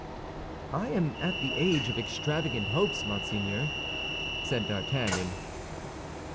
"I am at the age of extravagant hopes, monseigneur," said D'Artagnan.